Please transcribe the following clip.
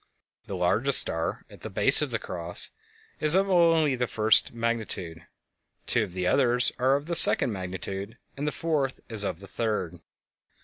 The largest star, at the base of the "Cross," is of the first magnitude, two of the others are of the second magnitude, and the fourth is of the third.